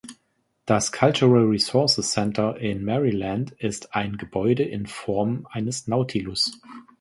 Das Cultural Resources Center in Maryland ist ein Gebäude in Form eines Nautilus.